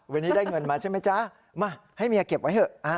วันนี้ได้เงินมาใช่ไหมจ๊ะมาให้เมียเก็บไว้เถอะ